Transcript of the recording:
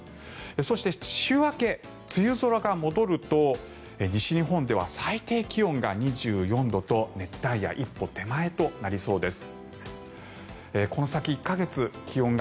そして、週明け、梅雨空が戻ると西日本では最低気温が２４度と熱帯夜一歩手前となりそうです。